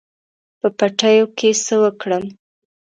په پټیو کې څه وکړم.